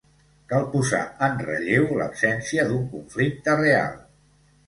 Cal posar en relleu l’absència d’un conflicte real.